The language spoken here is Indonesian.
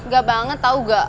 ga banget tau ga